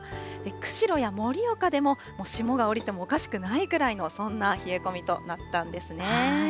釧路や盛岡でも霜が降りてもおかしくないくらいの、そんな冷え込みとなったんですね。